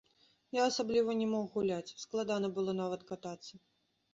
Я асабліва не мог гуляць, складана было нават катацца.